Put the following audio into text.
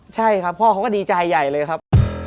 ใช่ครับพ่อเขาก็ดีใจใหญ่เลยครับ